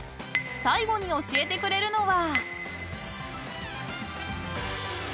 ［最後に教えてくれるのは］